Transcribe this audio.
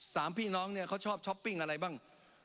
สามพี่น้องเนี่ยเขาชอบช้อปปิ้งอะไรบ้าง